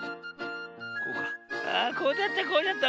あっこうだったこうだった。